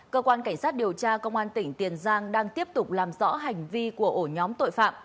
cơ quan cảnh sát điều tra công an tỉnh tiền giang đang tiếp tục làm rõ hành vi của ổ nhóm tội phạm